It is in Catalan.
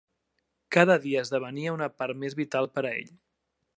Cada dia esdevenia una part més vital per a ell.